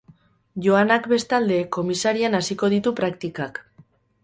Joanak bestalde, komisarian hasiko ditu praktikak.